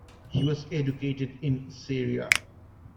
He was educated in Syria.